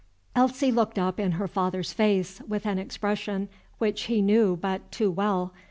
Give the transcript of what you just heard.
Elsie looked up in her father's face with an expression which he knew but too well.